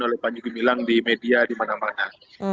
oleh panji gumilang di media di mana mana